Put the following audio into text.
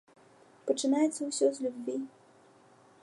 Пачынаецца ўсё з любві.